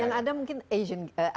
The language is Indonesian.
yang ada mungkin asean games